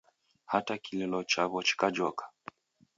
Hata kililo chaw'o chikajoka